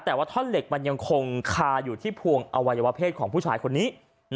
แต่ว่าท่อนเหล็กมันยังคงคาอยู่ที่พวงอวัยวะเพศของผู้ชายคนนี้